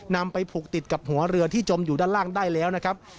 นำไปผูกติดกับหัวเรือที่จมอยู่ด้านล่างได้แล้วนะครับ